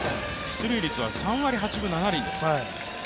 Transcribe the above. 出塁率は３割８分７厘です。